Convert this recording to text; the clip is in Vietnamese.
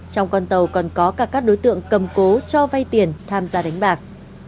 trong con tàu còn có cả các đối tượng cầm cố cho vay tiền tham gia đánh bạc